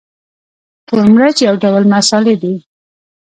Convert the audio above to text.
تور مرچ یو ډول مسالې دي